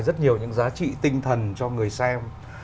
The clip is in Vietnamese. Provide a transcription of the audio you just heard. rất nhiều những giá trị tinh thần cho người xem